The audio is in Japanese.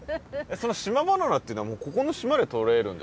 その島バナナっていうのはもうここの島でとれるんですか？